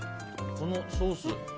このソース。